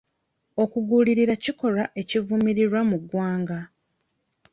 okugulirira kikolwa ekivumirirwa mu ggwanga.